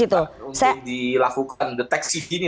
untuk dilakukan deteksi ini